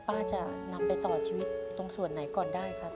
ป้าจะนำไปต่อชีวิตตรงส่วนไหนก่อนได้ครับ